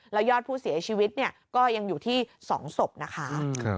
แล้วยอดผู้เสียชีวิตก็ยังอยู่ที่๒ศพนะคะ